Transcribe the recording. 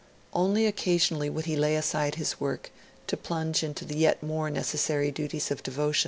Only occasionally would he lay aside his work to plunge into the yet more necessary duties of devotion.